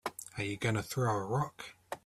Are you gonna throw a rock?